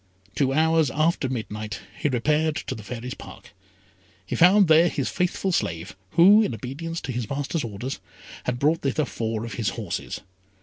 Two hours after midnight he repaired to the Fairy's Park; he found there his faithful slave, who, in obedience to his master's orders, had brought thither four of his horses.